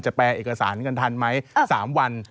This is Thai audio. แปลเอกสารกันทันไหม๓วัน